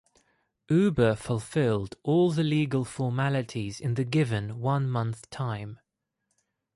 Uber fulfilled all the legal formalities in the given one month time.